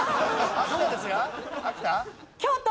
秋田？